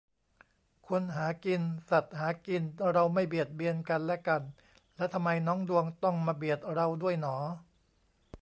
คนหากิน สัตว์หากิน เราไม่เบียดเบียนกันและกัน แล้วทำไมน้องดวงต้องมาเบียดเราด้วยหนอ